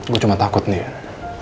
gue cuma takut din